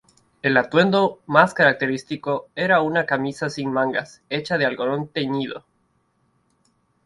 El atuendo más característico era una camisa sin mangas hecha de algodón teñido.